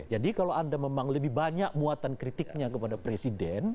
jadi kalau anda memang lebih banyak muatan kritiknya kepada presiden